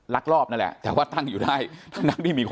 ลักลอบนั่นแหละแต่ว่าตั้งอยู่ได้